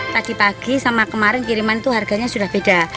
tadi pagi sama kemarin kiriman itu harganya sudah beda